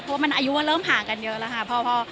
เพราะว่ามันอายุมันเริ่มห่างกันเยอะแล้วค่ะ